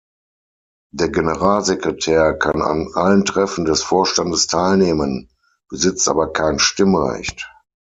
Der Generalsekretär kann an allen Treffen des Vorstandes teilnehmen, besitzt aber kein Stimmrecht.